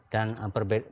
dari mana itu